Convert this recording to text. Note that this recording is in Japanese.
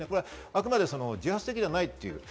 あくまで自発的ではないという。